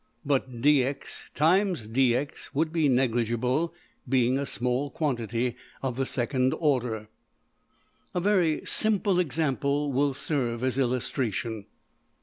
But $dx × dx$ would be negligible, being a small quantity of the second order. A very simple example will serve as illustration.